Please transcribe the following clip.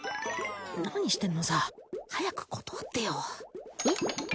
何してんのさ早く断ってよえっ？